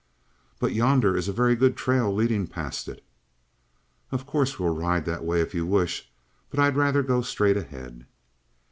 "But yonder is a very good trail leading past it." "Of course we'll ride that way if you wish, but I'd rather go straight ahead."